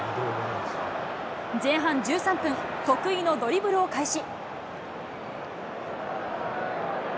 前半１３分、得意のドリブルを開始。